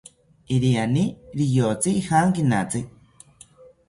Iriani riyotzi ijankinatzi